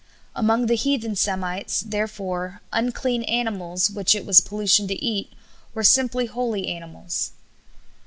Among the heathen Semites, therefore, unclean animals, which it was pollution to eat, were simply holy animals."